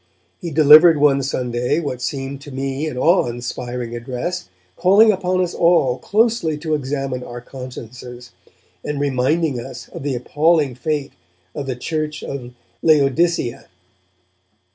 He delivered one Sunday what seemed to me an awe inspiring address, calling upon us all closely to examine our consciences, and reminding us of the appalling fate of the church of Laodicea.